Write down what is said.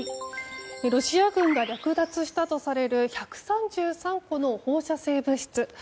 ロシア軍が略奪したとされる１３３個の放射性物質。